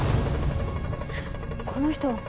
この人。